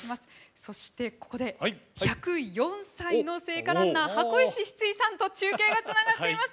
そしてここで１０４歳の聖火ランナー箱石シツイさんと中継がつながっています。